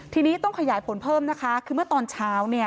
ทีนี้ต้องขยายผลเพิ่มนะคะคือเมื่อตอนเช้าเนี่ย